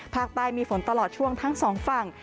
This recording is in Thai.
ภาคใต้มีฝนตลอดช่วงทั้งสองฝั่ง